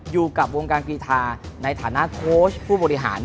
อยู่กับวงการกรีธาในฐานะโค้ชผู้บริหาร